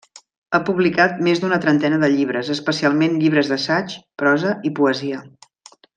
Ha publicat més d'una trentena de llibres, especialment, llibres d'assaig, prosa i poesia.